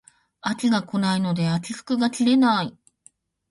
秋が来ないので秋服が着れない